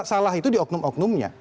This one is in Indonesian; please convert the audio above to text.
salah itu di oknum oknumnya